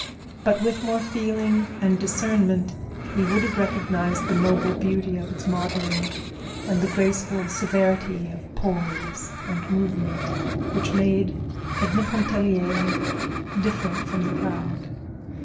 But with more feeling and discernment he would have recognized the noble beauty of its modeling, and the graceful severity of poise and movement, which made Edna Pontellier different from the crowd.